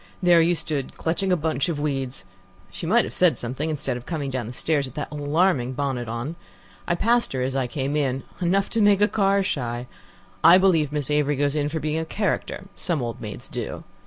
There you stood clutching a bunch of weeds. She might have said something, instead of coming down the stairs with that alarming bonnet on. I passed her as I came in. Enough to make the car shy. I believe Miss Avery goes in for being a character; some old maids do."